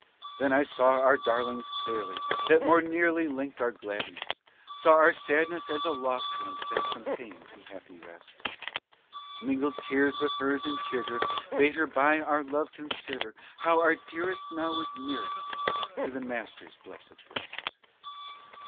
Then I saw our darlings clearly that more nearly linked our gladness; Saw our sadness as a lost one sank from pain to happy rest; Mingled tears with hers and chid her, bade her by our love consider How our dearest now was nearest to the blessed Master's breast.